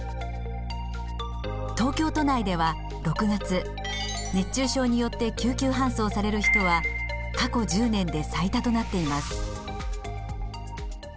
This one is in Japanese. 東京都内では６月熱中症によって救急搬送される人は過去１０年で最多となっています。